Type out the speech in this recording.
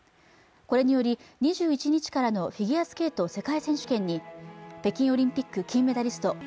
これにより２１日からのフィギュアスケート世界選手権に北京オリンピック金メダリスト